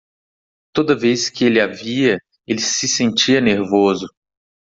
Toda vez que ele a via?, ele se sentia nervoso.